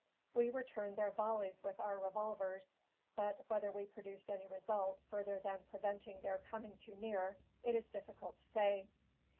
We returned their volleys with our revolvers, but, whether we produced any result further than preventing their coming too near, it is difficult to say.